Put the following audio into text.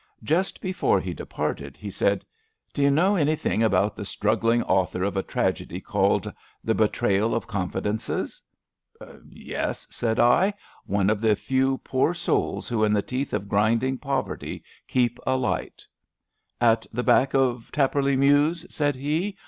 Just before he departed he said :D' you know anything about the struggling author of a tragedy called * The Betrayal of Confidences '?'Yes,'' said I. One of the few poor souls who in the teeth of grinding poverty keep alight.'* At the back of Tarporley Mews/' said he.